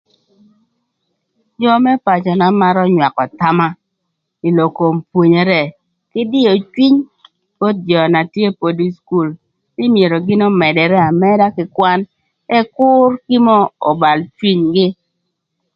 Jö më pacöna marö nywakö thama ï lok kom pwonyere kï dïö cwiny both jö na tye pudi ï cukul nï myero gïn ömëdërë amëda kï kwan ëk kür gin mörö öbal cwinygï.